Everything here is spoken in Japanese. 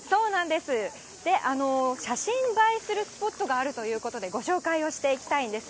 写真映えするスポットがあるということで、ご紹介をしていきたいんです。